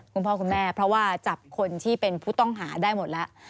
คุณพ่อคุณแม่เพราะว่าจับคนที่เป็นผู้ต้องหาได้หมดแล้ว